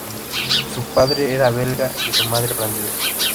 Su padre era belga y su madre francesa.